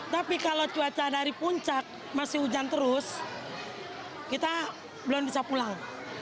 tapi kalau cuaca dari puncak masih hujan terus kita belum bisa pulang